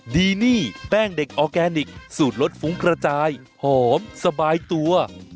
ดีนี่แป้งเด็กออร์แกนิคสูตรรสฟุ้งกระจายหอมสบายตัว